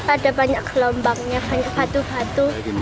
ada banyak gelombangnya banyak batu batu